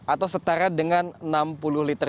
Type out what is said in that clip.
atau setara dengan enam puluh liter